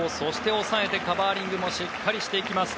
抑えて、カバーリングもしっかりしていきます。